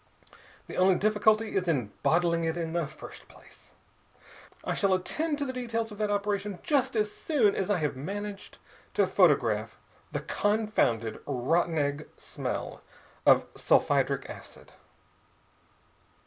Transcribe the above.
The only difficulty is in bottling it in the first place. I shall attend to the details of that operation just as soon as I have managed to photograph the confounded rotten egg smell of sulphydric acid."